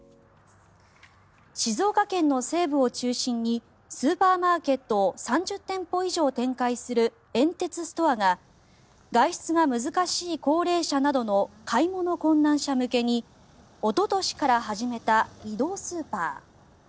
静岡県の西部を中心にスーパーマーケットを３０店舗以上展開する遠鉄ストアが外出が難しい高齢者などの買い物困難者向けにおととしから始めた移動スーパー。